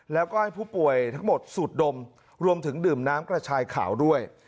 แล้วก็ให้ผู้ป่วยทั้งหมดสูดดมรวมถึงดื่มน้ำกระชายขาวด้วย